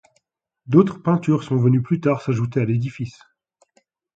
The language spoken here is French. D'autres peintures sont venues plus tard s'ajouter à l'édifice.